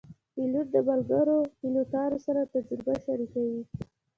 پیلوټ د ملګرو پیلوټانو سره تجربه شریکوي.